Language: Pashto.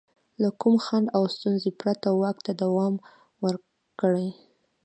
له کوم خنډ او ستونزې پرته واک ته دوام ورکړي.